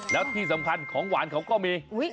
แล้วที่สำคัญของหวานเขาก็มี